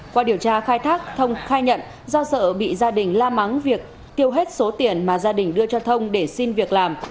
qua điều tra khai thác thông khai nhận do sợ bị gia đình la mắng việc tiêu hết số tiền mà gia đình đưa cho thông để xin việc làm